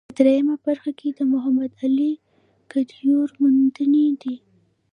په درېیمه برخه کې د محمد علي کدیور موندنې دي.